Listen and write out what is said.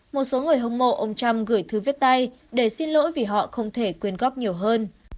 một số người hâm mộ ông trump gửi thư viết tay để xin lỗi vì họ không thể quyên góp nhiều hơn